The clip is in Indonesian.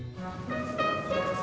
gak cukup pulsaanya